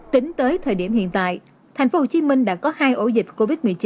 tính tới thời điểm hiện tại tp hcm đã có hai ổ dịch covid một mươi chín